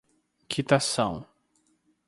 quitação